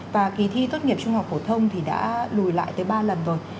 và kỳ thi tốt nghiệp trung học phổ thông thì đã lùi lại tới ba lần rồi